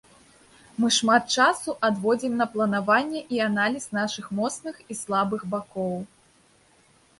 Мы шмат часу адводзім на планаванне і аналіз нашых моцных і слабых бакоў.